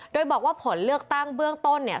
โดยบอกว่าผลเลือกตั้งเบื้องต้นเนี่ย